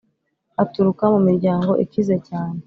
aturuka mu miryango ikize cyane